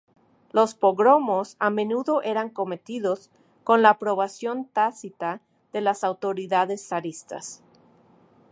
Los pogromos a menudo eran cometidos con la aprobación tácita de las autoridades zaristas.